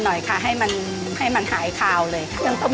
นอกจากเมนูปลาช่อนผ่าวแล้วนะครับ